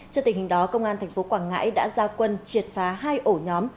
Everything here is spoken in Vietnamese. trước tình hình đó công an tp quảng ngãi đã ra quân triệt phá hai ổ nhóm